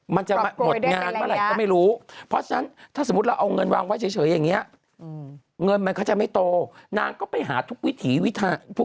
มันจะหมดงานเมื่อไหร่ก็ไม่รู้